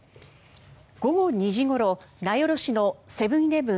午後２時ごろ、名寄市のセブン−イレブン